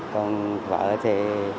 còn vợ thì